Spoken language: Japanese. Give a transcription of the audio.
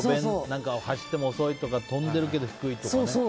走っても遅いとか飛んでるけど低いとか。